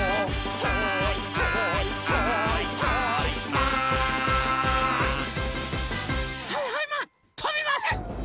はいはいマンとびます！